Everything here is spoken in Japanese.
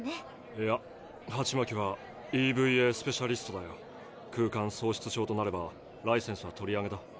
いやハチマキはＥＶＡスペシャリストだが空間喪失症となればライセンスは取り上げだ。